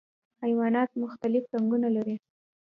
حیوانات مختلف رنګونه لري.